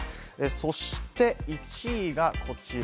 そして１位がこちら。